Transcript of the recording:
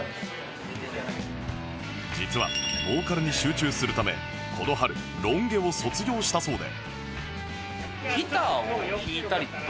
実はボーカルに集中するためこの春ロン毛を卒業したそうで